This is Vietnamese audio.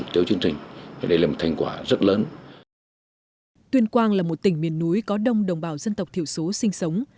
tuyên quang là một tỉnh miền núi có đông đồng bào dân tộc thiểu số sinh sống